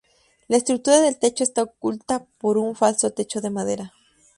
La estructura del techo está oculta por un falso techo de madera.